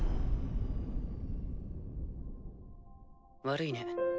悪いね。